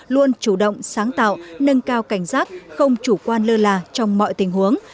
luôn chủ động sáng tạo nâng cao cảnh giác không chủ quan lơ là trong mọi tình huống